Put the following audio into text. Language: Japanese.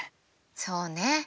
そうね